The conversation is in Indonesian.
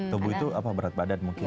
tubuh itu apa berat badan mungkin